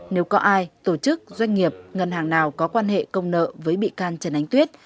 nếu có ai tổ chức doanh nghiệp ngân hàng nào có quan hệ công nợ với bị can trần ánh tuyết